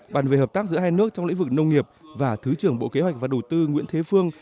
bàn về hợp tác giữa hai nước trong lĩnh vực nông nghiệp và thứ trưởng bộ kế hoạch và đầu tư nguyễn thế phương